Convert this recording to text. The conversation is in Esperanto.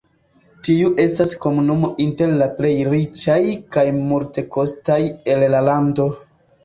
Tiu estas komunumo inter la plej riĉaj kaj multekostaj el la lando.